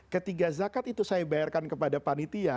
ketiga zakat itu saya bayarkan kepada panitia